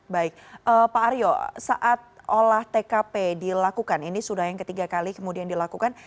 baik pak aryo saat olah tkp dilakukan ini sudah yang ketiga kali kemudian dilakukan